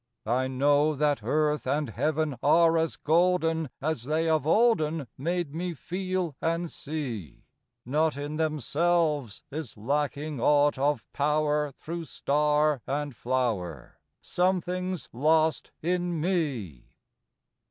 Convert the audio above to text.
I know that Earth and Heaven are as golden As they of olden made me feel and see; Not in themselves is lacking aught of power Through star and flower something's lost in me.